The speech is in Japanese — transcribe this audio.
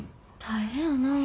大変やなぁ。